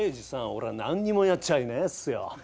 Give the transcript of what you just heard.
俺は何にもやっちゃいねえっすよ。